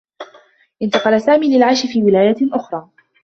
انتقل سامي للعيش في ولاية آخرى.